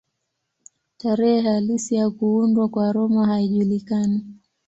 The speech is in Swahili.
Tarehe halisi ya kuundwa kwa Roma haijulikani.